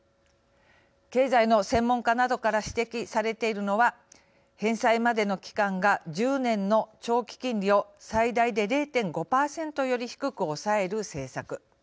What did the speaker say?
経済の専門家などから指摘されているのは返済までの期間が１０年の長期金利を、最大で０．５％より低く抑える政策。